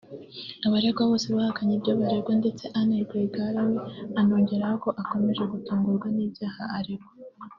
Abaregwa bose bahakanye ibyo baregwa ndetse Anne Rwigara we anongeraho ko akomeje gutungurwa n’ibyaha aregwa